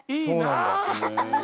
そうなんだ。